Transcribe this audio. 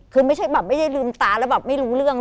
คือไม่ใช่แบบไม่ได้ลืมตาแล้วแบบไม่รู้เรื่อง